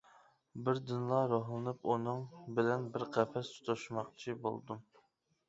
بىردىنلا روھلىنىپ ئۇنىڭ بىلەن بىر قەپەس تۇتۇشماقچى بولدۇم.